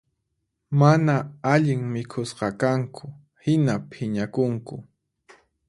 Mana allin mikhusqakanku hina phiñakunku